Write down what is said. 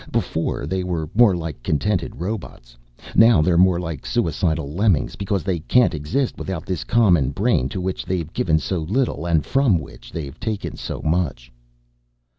Before they were more like contented robots. Now they're more like suicidal lemmings because they can't exist without this common brain to which they've given so little and from which they've taken so much."